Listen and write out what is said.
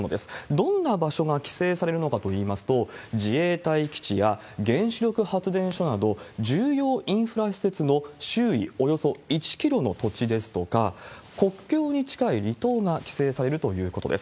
どんな場所が規制されるのかといいますと、自衛隊基地や原子力発電所など、重要インフラ施設の周囲およそ１キロの土地ですとか、国境に近い離島が規制されるということです。